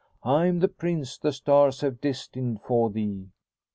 I am the prince the stahs have destined for thee."